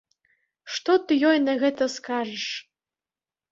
Што ты ёй на гэта скажаш?!